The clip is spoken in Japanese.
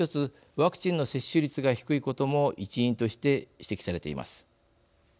ワクチンの接種率が低いことも一因として指摘されています。